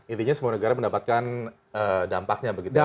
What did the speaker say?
intinya semua negara mendapatkan dampaknya begitu ya